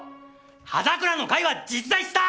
刃桜の会は実在した！